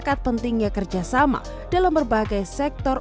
sepakat pentingnya kerjasama dalam berbagai sektor